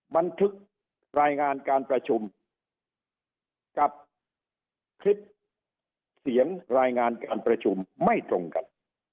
บันทึกรายงานการประชุมกับคลิปเสียงรายงานการประชุมไม่ตรงกัน